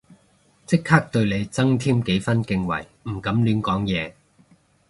即刻對你增添幾分敬畏唔敢亂講嘢